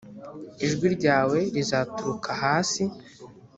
ijwi ryawe rizaturuka hasi